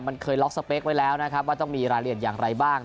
มันเคยล็อกสเปคไว้แล้วนะครับว่าต้องมีรายละเอียดอย่างไรบ้าง